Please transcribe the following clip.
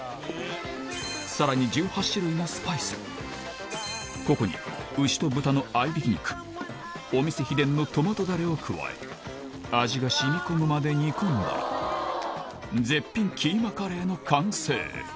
さらにここに牛と豚の合挽き肉お店秘伝のトマトだれを加え味が染み込むまで煮込んだら絶品キーマカレーの完成